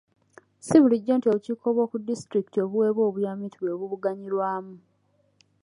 Ssi bulijjo nti obukiiko bw'oku disitulikiti obuweebwa obuyambi nti bwe bubuganyulwamu.